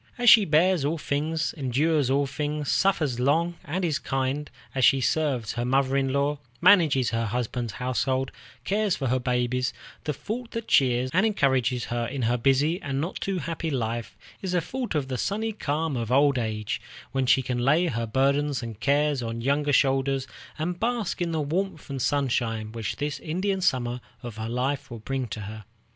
As she bears all things, endures all things, suffers long, and is kind, as she serves her mother in law, manages her husband's household, cares for her babies, the thought that cheers and encourages her in her busy and not too happy life is the thought of the sunny calm of old age, when she can lay her burdens and cares on younger shoulders, and bask in the warmth and sunshine which this Indian Summer of her life will bring to her.